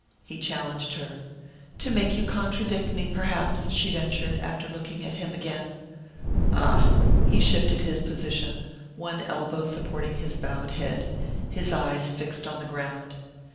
he challenged her. "To make you contradict me, perhaps," she ventured, after looking at him again. "Ah " He shifted his position, one elbow supporting his bowed head, his eyes fixed on the ground.